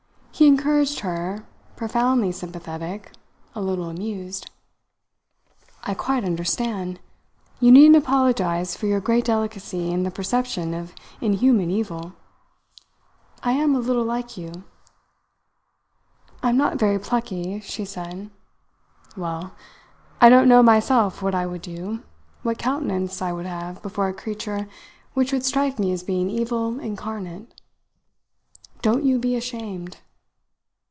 He encouraged her, profoundly sympathetic, a little amused. "I quite understand. You needn't apologize for your great delicacy in the perception of inhuman evil. I am a little like you." "I am not very plucky," she said. "Well! I don't know myself what I would do, what countenance I would have before a creature which would strike me as being evil incarnate. Don't you be ashamed!"